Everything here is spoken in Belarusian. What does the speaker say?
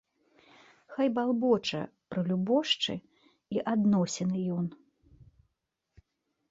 Хай балбоча пра любошчы і адносіны ён.